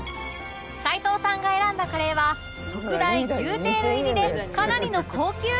齊藤さんが選んだカレーは特大牛テール入りでかなりの高級！